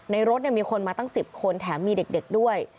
ในรถมีคนมาตั้ง๑๐คนแถมมีเด็กด้วย